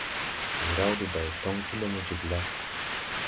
Ndi raw de day toŋ ti lumo jiglaw.